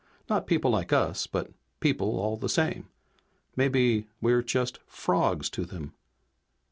Not people like us, but people all the same. Maybe we're just frogs to them!"